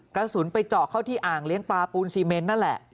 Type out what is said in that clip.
กระสุนไปเจาะเข้าที่อ่างเลี้ยงปลาปูนซีเมนนั่นแหละ